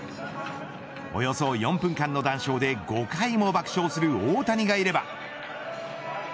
およそ４分間の談笑で５回も爆笑する大谷がいれば。